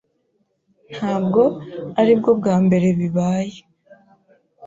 Ntabwo aribwo bwa mbere bibaye.